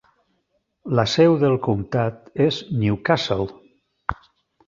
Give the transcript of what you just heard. La seu del comtat és Newcastle.